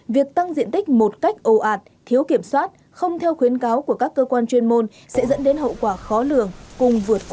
việc tăng diện tích một cách ồ ạt thiếu kiểm soát không theo khuyến cáo của các cơ quan chuyên môn sẽ dẫn đến hậu quả khó lường cùng vượt khó